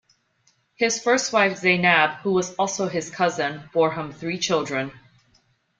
His first wife Zeynab, who was also his cousin, bore him three children.